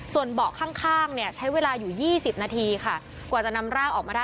ส่วนเบาะข้างเนี่ยใช้เวลาอยู่๒๐นาทีค่ะกว่าจะนำร่างออกมาได้